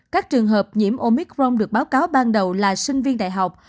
các trường hợp nhiễm omicron được báo cáo ban đầu là sinh viên đại học